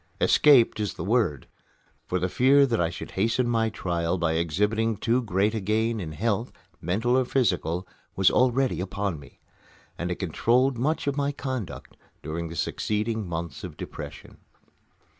"Escaped" is the word; for the fear that I should hasten my trial by exhibiting too great a gain in health, mental or physical, was already upon me; and it controlled much of my conduct during the succeeding months of depression.